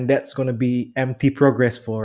dan itu akan menjadi progres kosong